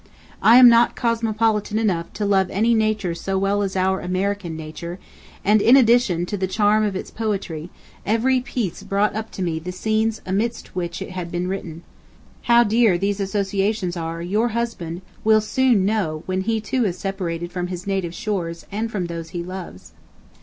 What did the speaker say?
I am not cosmopolitan enough to love any nature so well as our American nature, and in addition to the charm of its poetry, every piece brought up to me the scenes amidst which it had been written. ... How dear these associations are your husband will soon know when he too is separated from his native shores and from those he loves.